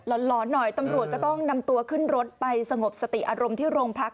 ร้อนหน่อยตำรวจก็ต้องนำตัวขึ้นรถไปสงบสติอารมณ์ที่โรงพัก